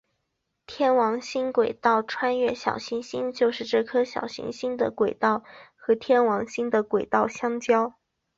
天王星轨道穿越小行星就是这颗小行星的轨道和天王星的轨道相交。